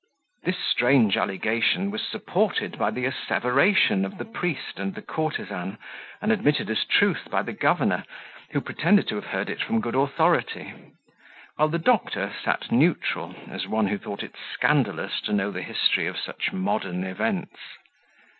This strange allegation was supported by the asseveration of the priest and the courtesan, and admitted as truth by the governor, who pretended to have heard it from good authority; while the doctor sat neutral, as one who thought it scandalous to know the history of such modern events.